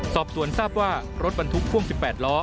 สอบสวนทราบว่ารถบรรทุกพ่วง๑๘ล้อ